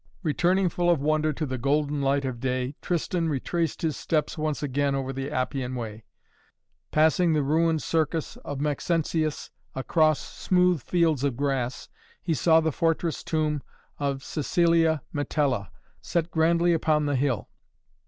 Returning full of wonder to the golden light of day, Tristan retraced his steps once again over the Appian Way. Passing the ruined Circus of Maxentius, across smooth fields of grass, he saw the fortress tomb of Cæcilia Metella, set grandly upon the hill.